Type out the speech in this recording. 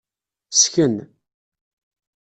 Sken.